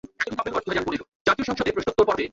আচ্ছা, বল না মন কেন খারাপ তোর?